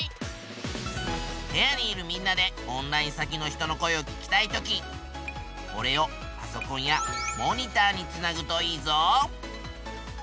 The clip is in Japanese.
部屋にいるみんなでオンライン先の人の声を聞きたい時おれをパソコンやモニターにつなぐといいぞ。